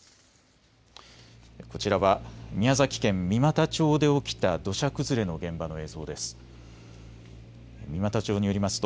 こちらは宮崎県三股町で起きた土砂崩れの現場の映像です。